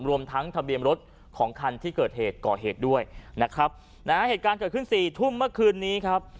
รวมทั้งทะเบียนรถของคันที่เกิดเหตุก่อเหตุด้วยนะครับนะฮะเหตุการณ์เกิดขึ้นสี่ทุ่มเมื่อคืนนี้ครับ